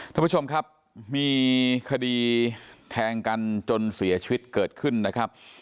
ท่านผู้ชมครับมีคดีแทงกันจนเสียชีวิตเกิดขึ้นนะครับ